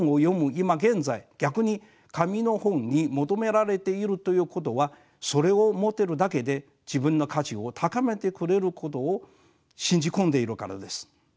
今現在逆に紙の本に求められているということはそれを持ってるだけで自分の価値を高めてくれることを信じ込んでいるからです。